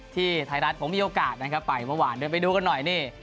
ที่ไทยรัฐผมมีโอกาสนะครับไปเมื่อวานเดินไปดูกันหน่อยนี่